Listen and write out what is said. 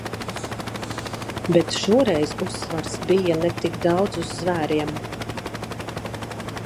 Bet šoreiz uzsvars bija ne tik daudz uz zvēriem.